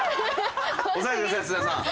抑えてください津田さん。